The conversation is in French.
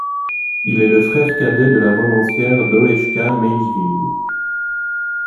Il est le frère cadet de la romancière Doeschka Meijsing.